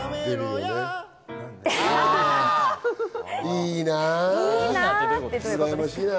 いいなぁ。